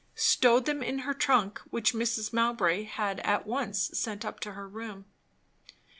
Stowed them in her trunk, which Mrs. Mowbray had at once sent up to her room.